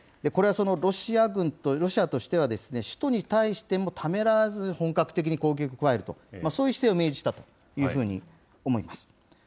これはそのロシア軍と、ロシアとしては首都に対しても、ためらわず、本格的に攻撃を加えると、そういう姿勢を明示したと、そういうふうに思います。